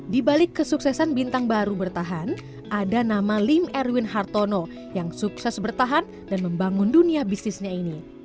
di balik kesuksesan bintang baru bertahan ada nama lim erwin hartono yang sukses bertahan dan membangun dunia bisnisnya ini